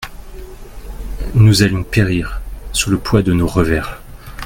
Nous allions périr sous le poids de nos revers.